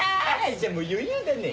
じゃもう余裕だねぇ。